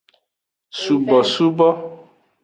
Subosubo.